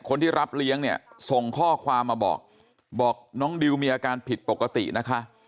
คนที่รับเลี้ยงเนี่ยส่งข้อความมาบอกบอกน้องดิวมีอาการผิดปกตินะคะ